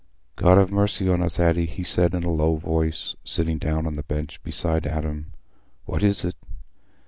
"God have mercy on us, Addy," he said, in a low voice, sitting down on the bench beside Adam, "what is it?"